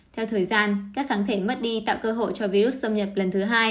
theo thời gian các kháng thể mất đi tạo cơ hội cho virus xâm nhập lần thứ hai